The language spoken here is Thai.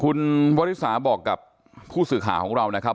คุณวริสาบอกกับผู้สื่อข่าวของเรานะครับ